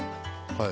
はい。